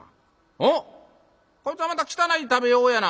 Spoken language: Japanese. おっこいつはまた汚い食べようやな。